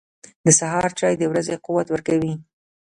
• د سهار چای د ورځې قوت ورکوي.